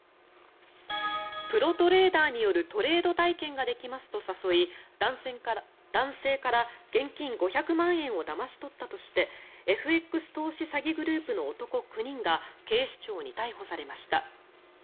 プロトレーダーによるトレード体験ができますと誘い男性から現金５００万円をだまし取ったとしてＦＸ詐欺投資グループの男９人が警視庁に逮捕されました。